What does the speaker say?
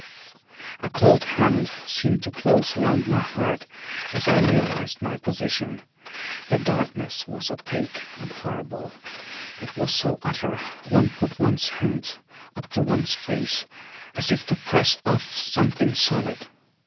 A cold hand seemed to close round my heart as I realized my position. The darkness was opaque and horrible. It was so utter one put one's hand up to one's face as if to press off something solid.